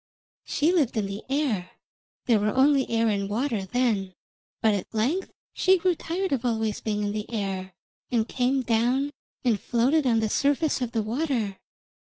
She lived in the air there were only air and water then but at length she grew tired of always being in the air, and came down and floated on the surface of the water.